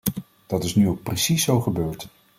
Dat is nu ook precies zo gebeurd.